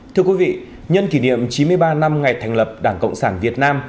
thưa quý vị nhân kỷ niệm chín mươi ba năm ngày thành lập đảng cộng sản việt nam